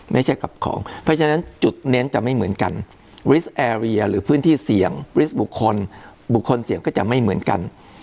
เพราะฉะนั้นจุดเน้นจะไม่เหมือนกันหรือพื้นที่เสี่ยงบุคคลเสี่ยงก็จะไม่เหมือนกัน